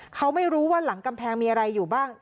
เขาไม่รู้ว่าหลังกำแพงมีอะไรอยู่บ้าง